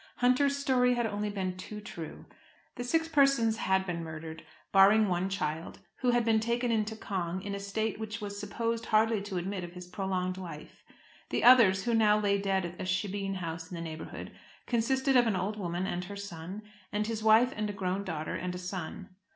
Hunter's story had only been too true. The six persons had been murdered, barring one child, who had been taken into Cong in a state which was supposed hardly to admit of his prolonged life. The others, who now lay dead at a shebeen house in the neighbourhood, consisted of an old woman and her son, and his wife and a grown daughter, and a son.